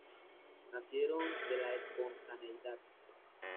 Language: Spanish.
Nacieron de la espontaneidad.